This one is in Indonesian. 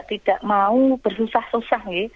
tidak mau bersusah susah